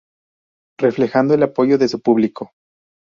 Reflejando el apoyo de su público.